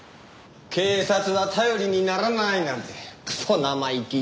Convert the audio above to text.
「警察は頼りにならない」なんてクソ生意気言っちゃってよ。